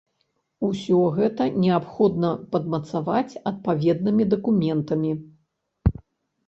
Усё гэта неабходна падмацаваць адпаведнымі дакументамі.